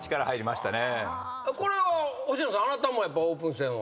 これは星野さんあなたもやっぱオープン戦は？